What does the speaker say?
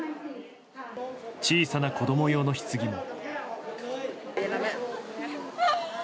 小さな子供用のひつぎも。